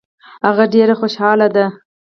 هغه ډېرې خوشخطه دي